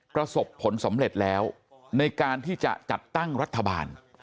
ประสบผลสำเร็จแล้วในการที่จะจัดตั้งรัฐบาล